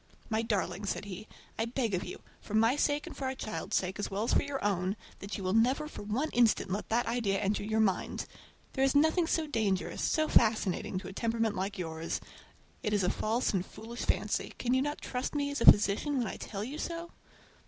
"My darling," said he, "I beg of you, for my sake and for our child's sake, as well as for your own, that you will never for one instant let that idea enter your mind! There is nothing so dangerous, so fascinating, to a temperament like yours. It is a false and foolish fancy. Can you not trust me as a physician when I tell you so?"